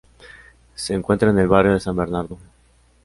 Se encuentra en el barrio de San Bernardo.